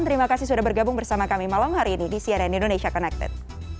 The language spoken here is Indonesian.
terima kasih sudah bergabung bersama kami malam hari ini di cnn indonesia connected